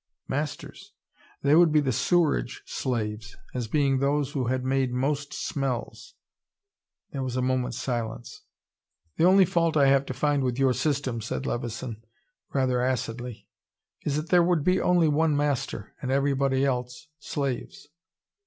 Masters. They would be the sewerage slaves, as being those who had made most smells." There was a moment's silence. "The only fault I have to find with your system," said Levison, rather acidly, "is that there would be only one master, and everybody else slaves."